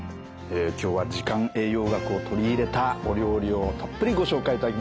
今日は時間栄養学を取り入れたお料理をたっぷりご紹介いただきました。